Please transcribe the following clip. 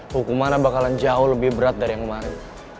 hukum mana bakalan jauh lebih berat dari yang kemarin